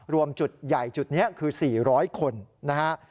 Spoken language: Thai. รวมจุดใหญ่จุดนี้คือ๔๐๐คนนะฮะ